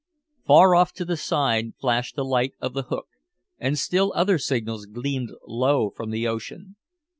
Far off to the south flashed the light of the Hook, and still other signals gleamed low from the ocean.